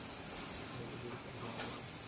যতদূর পারো পালাও!